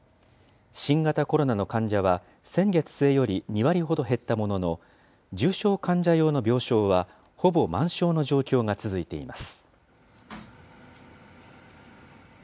新型コロナの患者は先月末より２割ほど減ったものの、重症患者用の病床はほぼ満床の状況が続いています。